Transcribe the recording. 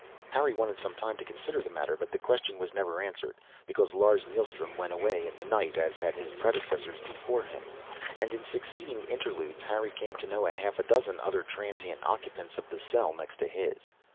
Harry wanted some time to consider the matter, but the question was never answered. Because Lars Neilstrom went away in the night, as had his predecessors before him. And in succeeding interludes, Harry came to know a half dozen other transient occupants of the cell next to his.